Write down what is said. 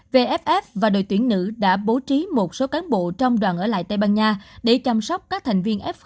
vff và đội tuyển nữ đã bố trí một số cán bộ trong đoàn ở lại tây ban nha để chăm sóc các thành viên f hai